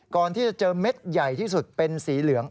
ก่อนที่จะเจอเม็ดใหญ่ที่สุดเป็นสีเหลือง